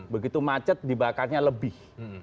begitu macet dibakarnya lebih